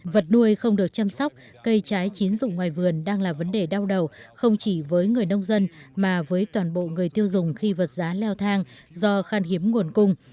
vật nuôi không được chăm sóc cây trái chín dụng ngoài vườn đang là vấn đề đau đầu không chỉ với người nông dân mà với toàn bộ người tiêu dùng khi vật giá leo thang do khan hiếm nguồn cung